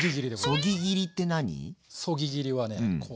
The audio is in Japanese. そぎ切りはねこう。